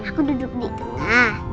aku duduk di tengah